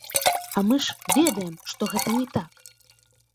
А мы ж, ведаем, што гэта не так!